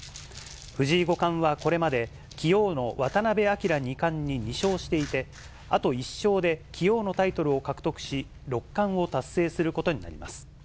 藤井五冠はこれまで、棋王の渡辺明二冠に２勝していて、あと１勝で棋王のタイトルを獲得し、六冠を達成することになります。